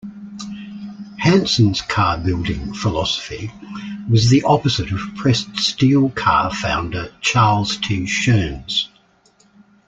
Hansen's carbuilding philosophy was the opposite of Pressed Steel Car founder Charles T. Schoen's.